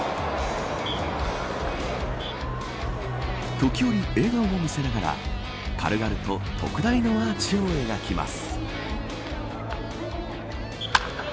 時折、笑顔も見せながら軽々と特大のアーチを描きます。